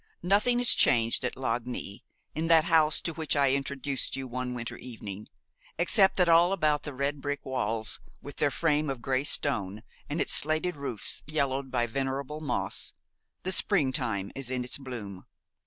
Nothing is changed at Lagny, in that house to which I introduced you one winter evening, except that all about its red brick walls with their frame of gray stone and its slated roofs yellowed by venerable moss, the springtime is in its bloom.